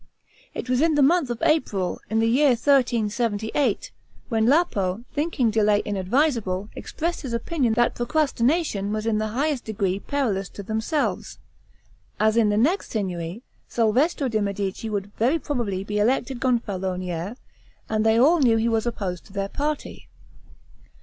It was in the month of April, in the year 1378, when Lapo, thinking delay inadvisable, expressed his opinion, that procrastination was in the highest degree perilous to themselves; as in the next Signory, Salvestro de' Medici would very probably be elected Gonfalonier, and they all knew he was opposed to their party.